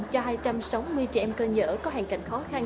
cho hai trăm sáu mươi trẻ em cơ nhở có hoàn cảnh khó khăn